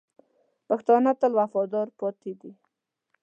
پښتانه تل وفادار پاتې دي.